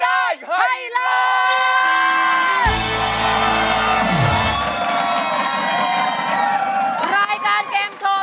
รายการเกมโชว์